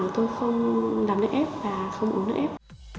mà tôi không làm nước ép và không uống nước ép